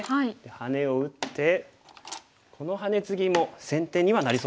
ハネを打ってこのハネツギも先手にはなりそうです。